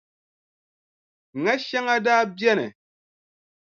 Ŋa shɛŋa daa beni,